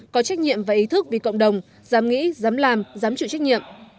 có trách nhiệm và ý thức vì cộng đồng dám nghĩ dám làm dám chịu trách nhiệm